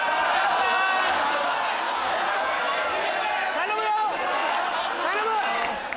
・頼むよ！